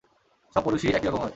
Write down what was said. সব পুরুষ একই রকম হয়।